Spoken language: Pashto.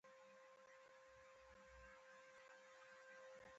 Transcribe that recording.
هرڅه واخله، یو کتاب راکړه